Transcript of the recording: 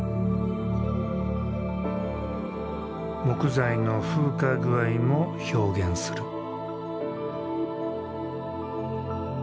木材の風化具合も表現する。